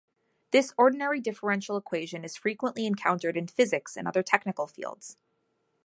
This ordinary differential equation is frequently encountered in physics and other technical fields.